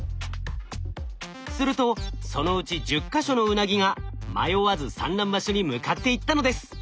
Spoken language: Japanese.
するとそのうち１０か所のウナギが迷わず産卵場所に向かっていったのです。